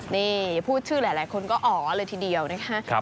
นี่พูดชื่อหลายคนก็อ๋อเลยทีเดียวนะคะ